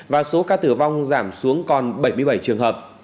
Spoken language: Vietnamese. và số ca tử vong giảm xuống còn bảy mươi bảy trường hợp